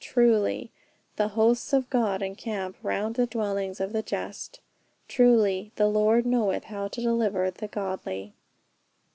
Truly, "The hosts of God encamp around The dwellings of the just." Truly "the Lord knoweth how to deliver the godly."